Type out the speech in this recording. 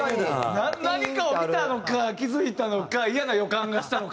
何かを見たのか気付いたのかイヤな予感がしたのか。